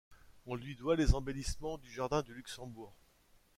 On lui doit les embellissements du jardin du Luxembourg.